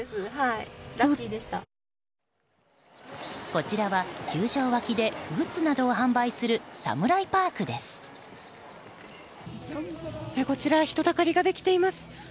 こちらは球場脇でグッズなどを販売するこちら人だかりができています。